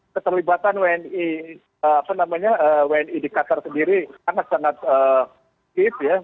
keterlibatan wni di qatar sendiri sangat sangat kip